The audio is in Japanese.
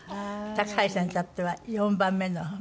高橋さんにとっては４番目の孫？